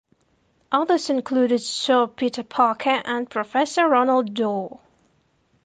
Others included Sir Peter Parker and Professor Ronald Dore.